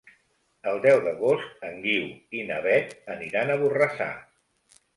El deu d'agost en Guiu i na Beth aniran a Borrassà.